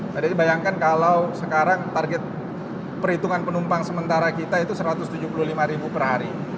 jadi bayangkan kalau sekarang target perhitungan penumpang sementara kita itu satu ratus tujuh puluh lima ribu per hari